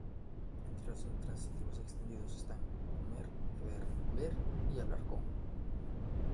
Entre los intransitivos extendidos están 'comer', 'beber', 'ver', y 'hablar con'.